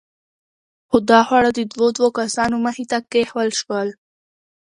خو دا خواړه د دوو دوو کسانو مخې ته کېښوول شول.